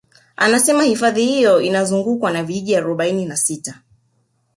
Anasema hifadhi hiyo inazungukwa na vijiji arobaini na sita